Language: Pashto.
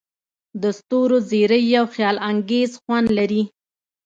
د ستورو زیرۍ یو خیالانګیز خوند لري.